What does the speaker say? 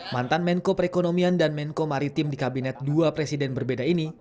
mantan menko perekonomian dan menko maritim di kabinet dua presiden berbeda ini